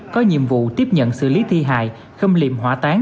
có nhiệm vụ tiếp nhận xử lý thi hại khâm liệm hỏa tán